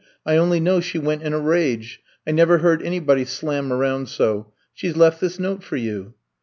I only know she went iq a rage. I never heard anybody slam around so. She left this note for you.